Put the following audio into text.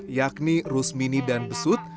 yakni rusmini dan besut